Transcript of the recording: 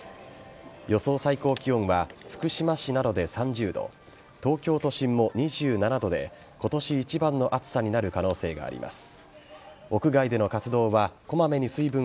最高気温は福島市などで３０度東京都心も２７度で今年一番の暑さになる可能性があります。